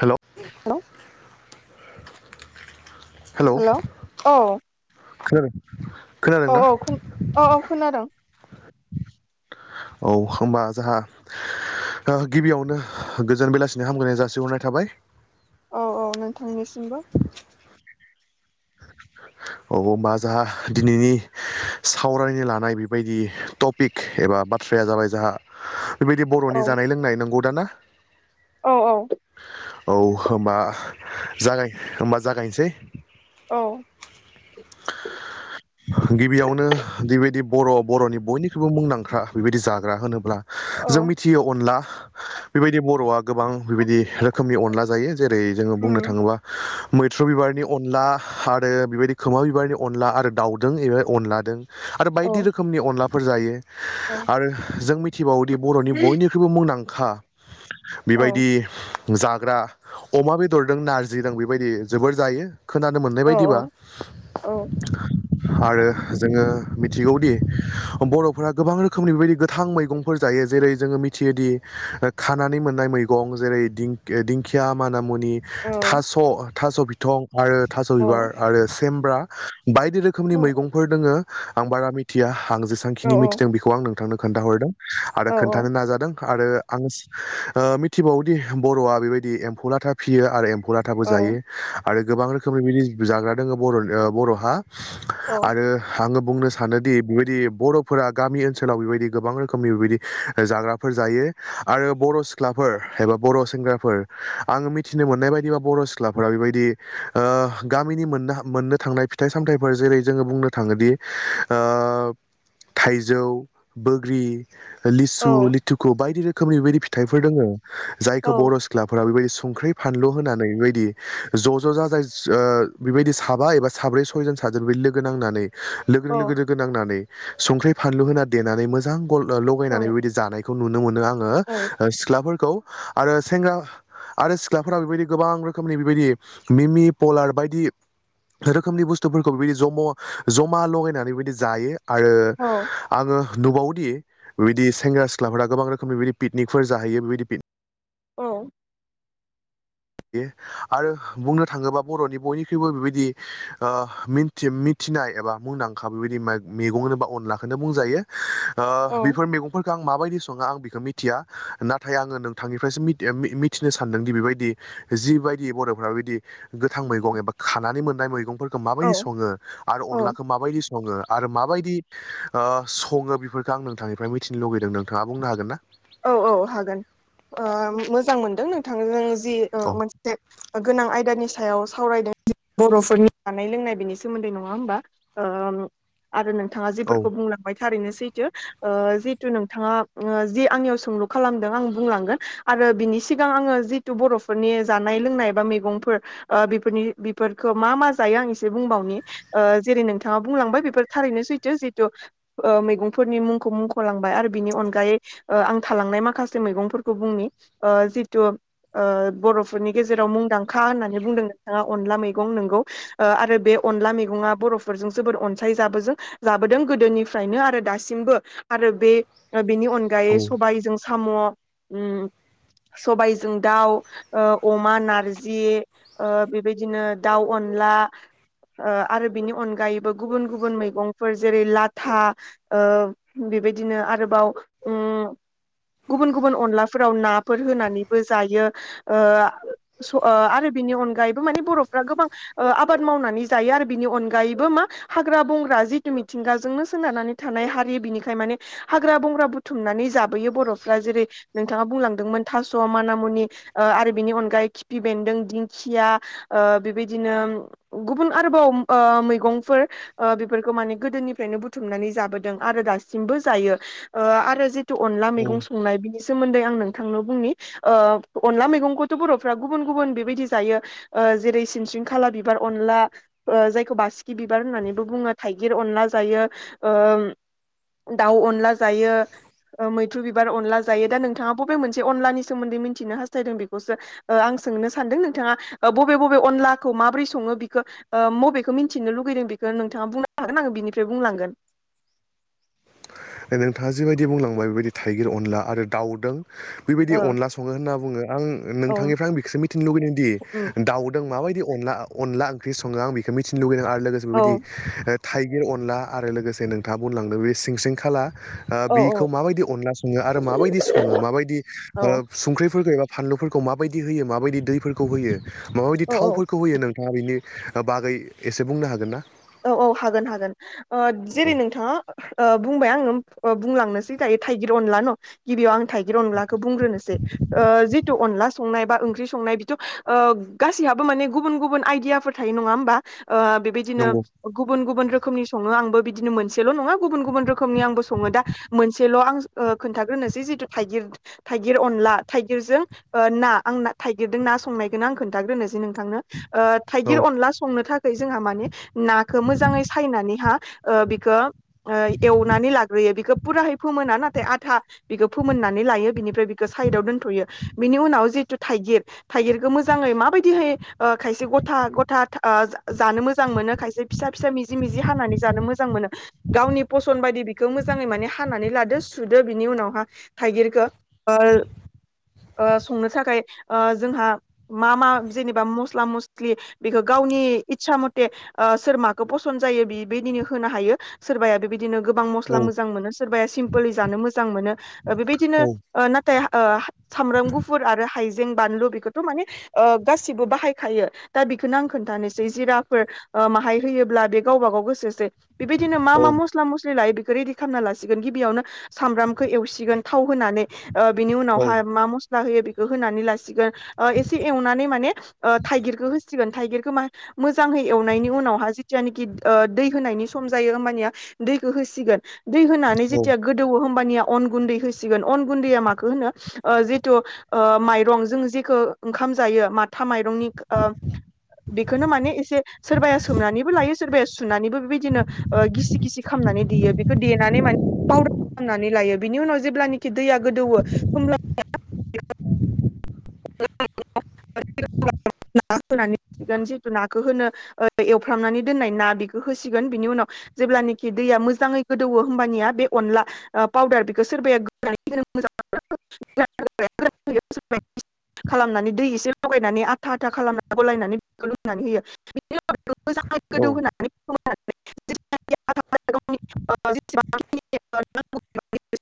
हेल'। Hello hello औ। औ खोनादों? औ औ खोनादों औ होमबा जाहा गिबियावनो गोजोन बेलासिनो हामगोलायनाय जासिहरनाय थाबाय। औ औ नोंथांनिसिमबो। औ होमबा जाहा दिनैनि सावरायनो लानाय बेबायदि टपिक एबा बाथ्राया जाबाय जाहा बेबायदि औ बर'नि जानाय लोंनाय नंगौ दा ना? औ औ। औ होमबा जागाय होमबा जागायनोसै। औ। गिबियावनो बेबायदि बर' बर'नि बयनिख्रुइबो मुंदांखा बेबायदि जाग्रा होनोब्ला औ जों मिथियो अनला बेबायदि बर'आ गोबां बेबायदि रोखोमनि अनला जायो जेरै जोङो बुंनो उम थाङोबा मैथ्रु बिबारनि अनला आरो औ बायदि रोखोमनि अनलाफोर जायो। औ आरो जों मिथिबावोदि बर'नि बयनिख्रुइबो मुंदांखा औ बेबायदि जाग्रा अमा बेदरदों नारजि दं बेबायदि जोबोर जायो खोनानो मोननाय औ दिबा औ आरो जोङो मिथिगौदि बर'फोरा गोबां रोखोमनि बेबायदि गोथां मैगंफोर जायो जेरै जोङो मिथियोदि खानानै मोननाय मैगं जेरै दि दिंखिया मा होन मुनि औ थास' बिथं आरो थास' औ बिबार आरो सेमब्रा। बायदि रोखोमनि औ मैगंफोर दोङो आं बारा मिथिया आं जेसेबांखिनि मिथिदों बेखौ आं नों नोंथांनो खोन्थाहरदों आरो खोन्थानो नाजादों। आरो आं ओ मिथिबावोदि बर'आ बेबायदि एम्फौ लाथा फियो आरो एम एम्फौ लाथाबो जायो आरो गोबां रोखोमनि बिदि जाग्रा जोङो बर'नि बर'हा। आरो आङो बुंनो सानोदि बेबायदि बर'फोरा गामि ओनसोलाव बेबायदि गोबां रोखोमनि बेबायदि जाग्राफोर जायो। आरो बर' सिख्लाफोर एबा बर' सेंग्राफोर आङो मिथिनो मोननाय बायदिबा बर' सिख्लाफोरा बेबायदि ओ गामिनि मोननो हा मोननो थांनाय फिथाइ सामथाइफोर जेरै जोङो बुंनो थाङोदि ओ थाइजौ बोग्रि लिसु औ लिथुखु बायदि रोखोमनि बदि फिथाइफोर दोङो। जायखौ बर' औ सिख्लाफोरा बेबायदि संख्रै फानलु होनानै बेबायदि ज' ज' जा जाय ओ बेबायदि साबा एबा साब्रै सयजन साजोन बिदि लोगो नांनानै लोगो लोगो लोगो नांनानै संख्रि फानलु होना देनानै मोजां गल लगायनानै बेबायदि जानाय खौ नुनो मोनो आङो ओ सिख्लाफोर खौ आरो सेंग्रा आरो सिख्लाफोरा बेबायदि गोबां रोखोमनि बेबायदि मिमि पलार बायदि रोखोमनि बुस्थुफोरखौ बेबायदि जम' जमा लगायनानै बेबायदि जायो। आरो आङो नुबावोदि बिदि सेंग्रा सिख्लाफोरा गोबां रोखोमनि बिदि पिकनिकफोर जाहैयो बेबायदि औ आरो बुंनो थाङोबा बर'नि बयनिख्रुइबो बेबायदि ओ मोनति मिथि फिनाय एबा मुंदांखा बेबायदि मै मैगं होनोबा अनलाखौनो बुंजायो बेफोर मैगं खौ आं माबायदि सङो आं बेखौ मिथिया नाथाय आङो नोंथांनिफ्रायसो मिथिनो सान्दों दि बेबायदि जिबायदि बर'फ्रा बिदि गोथां मैगं एबा खानानै मोननाय मैगंफोरखौ माबायदि औ सङो आरो अनलाखौ माबायदि सङो आरो माबायदि ओ सङो बेफोरखो आं नोंथांनिफ्राय मिथिनो लुगैदों नोंथाङा बुंनो हागोन ना? औ औ हागोन, ओ मोजां मोनदों नोंथांजों जि ओ औ मोनसे गोनां आयदानि सायाव सावरायदों बर'फोरनि जानाय लोंनाय बेनि सोमोन्दै नङा होमबा? ओम आरो नों थाङा औ जेफोरखौ बुंलांबाय थारैनो सैथो ओ जिहेथु नोंथाङा ओ जि आंनियाव सोंलु खालामदों आं बुंलांगोन आरो बिनि सिगां आङो जिथु बर'फोरनि जानाय लोंनाय बा मैगंफोर ओ बिफोरनि बिफोरखौ मा मा जायो आं इसे बुंबावनि जेरै नोंथांआ बुलां बेफोर थारैनो सैथो जिहेथु मैंफोरनि मुंखौ मुंखलांबाय आरो बिनि अनगायै ओ आं थालांनाय माखासे मैगंफोरखौ बुंनि ओ जिथु ओ बर'फोरनि गेजेराव मुंदांखा होननानै बुंदों नोंथाङा अनला मैगं नंगौ आरो बे अनला मेगङा बर'फोरजों जबोर अनसायो जाबोजो जाबोदों गोदोनिफ्रायनो आरो दासिमबो आरो आरो बे बेनि औ अनगायै जों साम' उम सबायजों दाउ, ओ अमा नारजि बेबायदिनो ओ दाउ ओन ला ओ आरो बिनि अनगायैबो गुबुन गुबुन मैगंफोर जेरै लाथा ओ बेबायदिनो आरोबाव उम [inaudible] गुबुन गुबुन अनलाफोराव नाफोर होनानैबो जायो ओ स- आरो बिनि उनाव अनगायैबो माने बर'फ्रा गोबां आबाद मावनानै जायो आरो बिनि अनगायैबो मा हाग्रा बंग्रा जि मिथिंगाजोंनो सोनारनानै थानाय हारि बिनिखाय माने हाग्रा बंग्रा बुथुमनानै जा बोयो बर'फ्रा जेरै नोंथाङा बुंलांदोंमोन थास' मानामुनि आरो बिनि अनगायै खिफि बेन्दों दिंखिया ओ बेबायदिनो गुबुन आरोबाव ओ मैगंफोर ओ बेफोरखौ माने गोदोनिफ्रायनो बुथुमनानै जाबोदों आरो दासिमबो जायो। ओ आरो जि तु अनला मैगं औ संनाय बेनि सोमोन्दै आं नों थांनो बुंनि ओ अनला मैगंखौथ' बर'फ्रा गुबुन गुबुन बेबायदि जायो ओ जेरै सिन खाला बिबार अनला जायखौ बासिकि बिबार होननानैबो बुङो थाइगिर अनला जायो। उम दाउ अनला जायो। ओ मैथ्रु बिबार अनला जायो, दा नोंथाङा बबे मोनसे अनलानि सोमोन्दै मिथिनो हास्थायदों बेखौसोओ आं आं सोंनो सानदों नोंथाङा बबे बबे अनलाखौ माब्रै सङो बेखौ बबेखौ मिन्थिनो लुुबैदों? बेखौ नोंथाङा बुंनो हागोन आङो बिनिफ्राय बुंलांगोन। [inaudible] नोंथाङा जिबायदि बुंलांबाय बेबायदि थाइगिर अनला आरो दाउदों बेबायदि ओ अनला सङो होनना बुङो। आं औ नोंथांनिफ्राय आं बेखौसो मिथिनो लुुबैदों दि उम दाउदों माबाय दि अनला अनला ओंख्रि सङो आं बेखौ मिथिनो लुुबैदों आरो लोगोसे औ बिदि थाइगिर अनला आरो लोगोसे नोंथाङा बुंलांदों बे सिंसिं खाला ओ औ बिखौ औ माबायदि अनला सङो आरो माबायदि सङो माबायदि औ संख्रिफोर फानलुफोरखौ माबायदि होयो माबायदि दैफोरखौ होयो माबायदि औ थावफोरखौ होयो नों नोंथाङा बिनि बागै एसे बुंनो हागोन ना? औ औ हागोन हागोन औ जेरै नोंथाङा ओ बुंबाय आंङो ओ बुंलांनोसै दायो थाइगिर अनला न' गिबियाव आं थाइगिर अनलाखौ बुंग्रोनोसै ओ अनला संनाय बा ओंख्रि संनाय बिथ' ओ गासैहाबो माने गुबुन गुबुन आइदियाफोर थायो नङा होमबा ओ बेबायदिनो नंगौ गुबुन गुबुन रोखोमनि सङो आंबो बिदिनो मोनसेल' नङा गुबुन गुबुन रोखोमनि आंबो सङो दा मोनसेल' आं ओ खोनथाग्रोनोसै जिथु थाइगिर थाइगिर अनला थाइगिरजों ओ ना आंना थाइगिरजों ना संनायखौनो आं खोन्थाग्रोनोसै नोंथांनो ओ औ थाइगिर अनला संनो थाखाय जोंहा माने नाखो मोजाङै सायनानैहा ओ बिखो ओ एवनानै लाग्रोयो बिखौ फुराहै फोमोना नाथाय आधा बिखौ फोमोन लायो बिनिफ्राय बिखो साइदाव दोनथयो बेनि उनाव जिहेतु थाइगिर थाइगिरखो मोजाङै माबादिहै खायसे ओ गथा गथ ओ जानो मोजां मोनो। खायसे फिसा फिसा मिजि मिजि हानानै जानो मोजां मोनो गावनि पसन बायदि बेखौ माने मोजाङै हानानै लादो सुदो बिनि उनावहा थाइगिरखो ओ ओ संनो थाखाय ओ जोंहा मा मा जेनेबा मस्ला मस्लि बेखौ गाव गावनि इतसा मथे ओ सोर माखौ पसन जायो बेबायदिनो होनो हायो सोरबाया बिदिनो गोबां मस्ला औ मोजां मोनो सोरबाया सिमपोलयै जानो मोजां मोनो बेबायदिनो ओ नाथाय - ओ सामब्राम गुफुर आरो हाइ जें बानलु बेखौथ' माने ओ गासिबो बाहायखायो दा बेखौनो आं खोन्थानोसै जिराफोर ओ माहाय होयोब्ला बे गावबा गाव गोसोसै बेबायदिनो मा मा मस्ला मस्लि लायो रेडि खालामना लासिगोन गिबियावनो सामब्रामखौ एवसिगोन थाव होनानै ओ बिनि उनावहाय मा मस्ला होयो बेखौ होनानै लासिगोन। ओ एसे एवनानै माने ओ थाइगिरखौ होसिगोन थाइगिरखौ मा मोजाङै नायनि उनावहा जिथियानोखि ओ दै होनायनि सम जायो होमबानिया दैखो होसिगोन। दै होनानै जेथिया गोदौवो होमबानिया अन गुन्दै होसिगोन अन गुन्दै आ माखो होनो ओ जेथु ओ माइरं जों जेखो ओंखाम जायो माथा मायरंनि ओ बिखौनो माने एसे सोरबाया सोमनानैबो लायो। सोरबाया सुनानैबो बेबायदिनो ओ गिसि गिसि खालामनानै देयो बेखौ देनानै माने पाउदार खालामनानै ला यो बिनि उनाव जेब्लानखि दैया गोदौवो होमब्ला ‌् ना होनानै होसिगोन जिहेतु नाखौ होनो एवफ्रामनानै दोननाय ना बेखौ होसिगोन बेनि उनाव जेब्लानखि दैया मोजाङै गोदौवो होमबानिया बे अनला पाउदार बेखौ सोरबाया [unintelligible] ् खालामनानै दै एसे लगायनानै आथा आथा खालामनानै गलायनानैखौ लुनानै होयो बिदि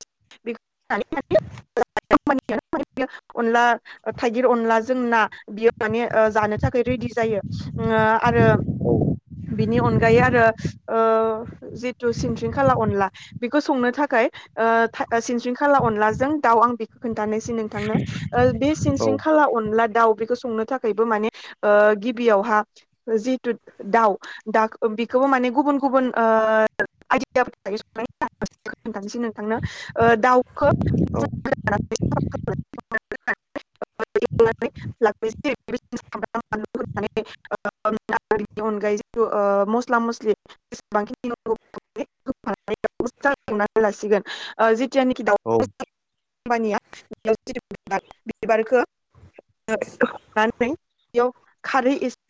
[unintelligible] [unintelligible] [unintelligible] अनला थाइगिर अनला जों ना बियो माने ओ जानो थाखाय रेडि जायो। ओ आरो बिनि अनगायै आरो ओ जिथु सिनख्रिंखाला अनला बेखौ संनो थाखाय - [unintelligible] खाला अनलाजों दाउ आं बेखौ खोथानोसै आं नोंथांनो बे स्रिंसिं खाला अनला दाउ बेखो संनो थाखायबो माने ओ गिबियावहा जिथु दाउ बेखोबो माने बे गुबुन गुबुन ओ [unintelligible] खोनथानोसै नोंथांनो ओ दाउखौ [unintelligible] [unintelligible] [unintelligible] [unintelligible] [unintelligible] [unintelligible] हनानै बेयाव खारै एसे [unintelligible]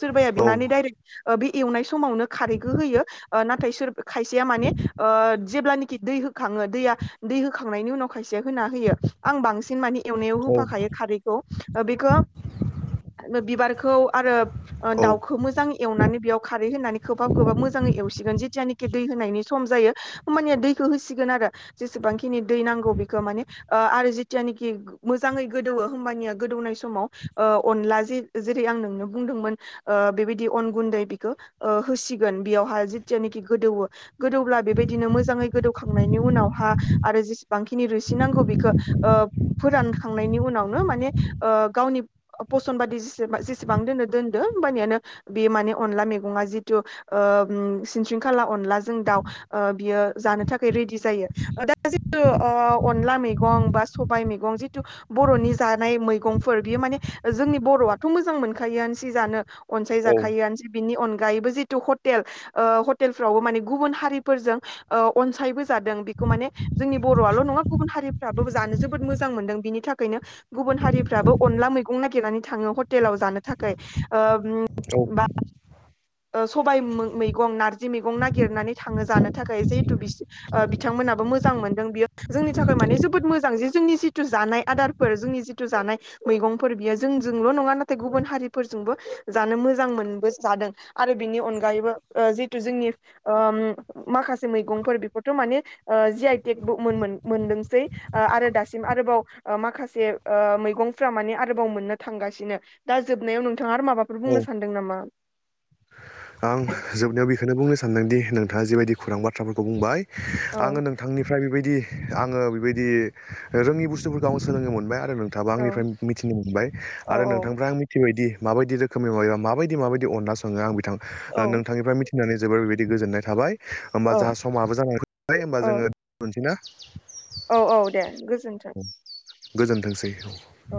सोरबाया बिनानै डाइरेक्ट बे एवनाय समावनो खारैखौ होयो नाथाय नाथाय सोर खायसेया माने ओ जेब्लनोखि दै होखांङो दैया दै होखांनायनि उनाव खायसे होन होयो आं बांसिन मानि एवनायाव होफाखायो खारैखौ ओ बेखौ बिबारखौ आरो ओ दाउखौ मोजां एवनानै बेयाव खारै होनानै खोबहाब खोबहाब मोजांङै एवसिगोन जिथियानिखि दै होनायनि सम जायो होमबानिया दैखौ होसिगोन आरो। जेसेबांखिनि दै नांगौ बेखौ माने ओ आरो जिथियानिखि मोजांङै गोदौवो होमबानिया गो दौनाय समाव ओ अनलाजि जेरै आं नोंनो बुंदोंमोन ओ बेबायदि अन गुन्दै बिखौ होसिगोन बेयावहाय जितियानिखि गोदौवो गोदौब्ला बेबायदिनो मोजांङै गोदौखांनायनि उनावहा आरो जेसेबांखिनि रुसि नांगौ बेखौ ओ ओ फोरानखांनायनि उनावनो माने ओ गावनि पसन बादि जिसि जिसिबां दोनो दोनदो होबानियानो बे माने अनला मैगं जिथु ओ उम सिनस्रिंखाला अनला जों दाउ ओ बियो जानो थाखाय रिदि जायो। दा जिथु ओ अनला मेगं बा स बाइ मैगं जिथु बर'नि जानाय मैगंफोर बियो माने जोंनि बर'आथ' मोजां मोनखायोआनोसै ओंख्रि जानो अनसाय जाखायोआनोसै बिनि अनगा गायैबो जिथु हटेल ओ हटेलफ्रावबो माने गुबुन हारिफोरजों अनसायबो जादों खौ माने जोंनि बर'आल' नंङा गुबुन हारिफ्राबो जानो जोबोद मोजां मोनदों बिनि थाखायनो गुबुन हारिफ्रा बो अनला मैगं नागिरनानै थांङो हथेलाव जानो थाखाय ओ उम बा ओ सबाय मै-मैगं नारजि मैगं नागिरनानै थांङो जानो थाखाय जिहेथु बिसो ओ बिथां बिथांमोनहाबो मोजां मोनदों बियो जोंनि थाखाय माने जोबोद मोजां जे जोंनि जिथु जानाय आदारफोर जोंनि जिथु जानाय मैगंफोर बियो जोंजोंल'नंङा नाथाय गुबुन हारि फोरजोंबो जानो मोजां मोनबो जादों आरो बिनि अनगायैबो ओ जिहतु जोंनि ओ उम माखासे मैगंंफोर बिफोरथ' माने ओ जियाइ टेगबो मोन मोन मोनदोंसै आरो दासिम आरोबाव ओ माखासे ओ मैगंफ्रा माने आरोबाव मोननो थांगासिनो दा जो नायाव नोंथांङा आरो माबाफोर औ बुंनो सानदों नामा? आं जोबनायाव बेखौनो बुंनो सान्दोंदि नोंथांङा जिबायदि खौरां बाथ्राफोरखौ बुंबाय आंङो औ नोंथांनिफ्राय बेबायदि आंङो बेबायदि रोंङि बुस्थुफोरखौ आंङो सोलोंनो मोनबाय आ नोंथांङाबो औ आंनिफ्राय मिथिनो मोनबाय औ आरो नोंथांनिफ्राय आं मिथिबायदि माबायदि रोखोमनि माबाबा माबायदि माबायदि अनला संङो आं बिथां औ नोंथांनिफ्राय मिथि नानै जोबोर बेबायदि गोजोननाय थाबाय होमबा जाहा औ समाबो जानानैबाय होमबा जोंङो औ दोनथ'नोसैना? औ औ दे गोजोन्थों। गोजोन्थोंसै। औ